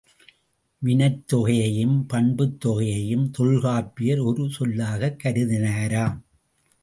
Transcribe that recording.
வினைத்தொகையையும் பண்புத்தொகையையும் தொல்காப்பியர் ஒரு சொல்லாகக் கருதினாராம்.